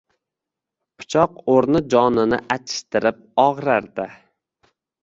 Pichoq o‘rni jonini achishtirib og‘rirdi